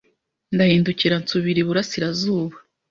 Ndahindukira nsubira iburasirazuba